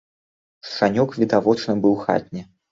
Шчанюк відавочна быў хатні.